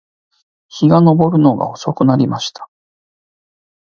日が登るのが遅くなりました